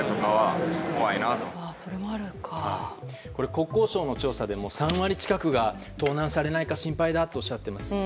国交省の調査でも３割近くが盗難されないか心配だとおっしゃっています。